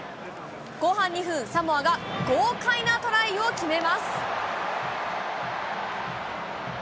後半２分、サモアが豪快なトライを決めます。